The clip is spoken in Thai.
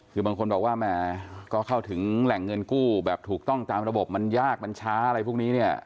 คือบางคนบอกว่าแหมก็เข้าถึงแหล่งเงินกู้แบบถูกต้องตามระบบมันยากมันช้าอะไรพวกนี้เนี่ย